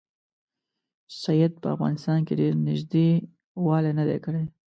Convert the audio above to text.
سید په افغانستان کې ډېر نیژدې والی نه دی کړی.